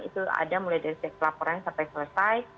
itu ada mulai dari setiap laporan sampai selesai